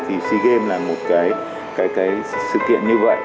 thì sea games là một cái sự kiện như vậy